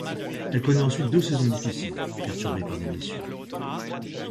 Elle connait ensuite deux saisons difficiles, perturbées par des blessures.